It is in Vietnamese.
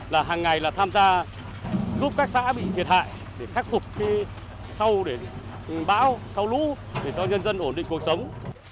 là hàng ngày là tham gia giúp các xã bị thiệt hại để khắc phục sau để bão sau lũ để cho nhân dân ổn định cuộc sống